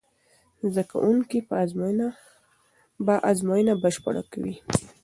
زده کوونکي به ازموینه بشپړه کړې وي.